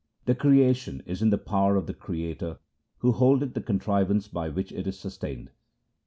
The creation is in the power of the Creator who holdeth the contrivance by which it is sustained.